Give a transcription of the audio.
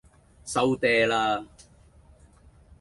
收嗲啦